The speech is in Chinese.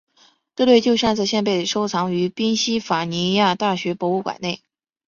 这对旧扇子现被收藏于宾夕法尼亚大学博物馆内。